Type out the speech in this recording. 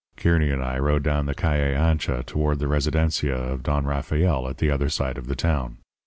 "Kearny and I rode down the Calle Ancha toward the residencia of Don Rafael at the other side of the town.